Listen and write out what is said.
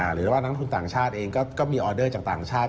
หรือว่านักทุนต่างชาติเองก็มีออเดอร์จากต่างชาติ